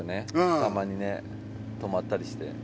たまにね止まったりして。